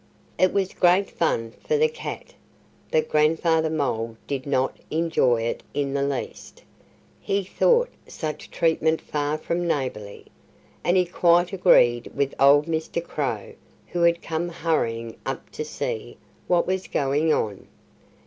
It was great fun for the cat. But Grandfather Mole did not enjoy it in the least. He thought such treatment far from neighborly. And he quite agreed with old Mr. Crow, who had come hurrying up to see what was going on.